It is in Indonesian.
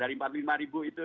dari empat puluh lima ribu itu